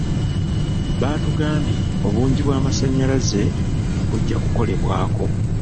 Baatugambye obungi bw'amasannyalaze bujja kukolebwako.